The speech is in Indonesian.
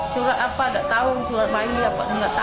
surat apa gak tahu surat bayi gak tahu